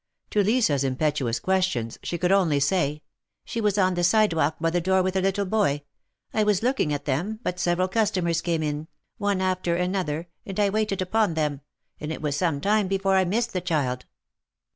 To Lisa's impetuous questions, she could only say :'' She was on the sidewalk by the door with a little boy. I was looking at them, but several customers came in, one after another, and I waited upon them, and it was some time before I missed the child."